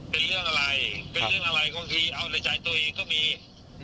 เป็นเรื่องอะไรเป็นเรื่องอะไรก็คือเอาในใจตัวเองก็มี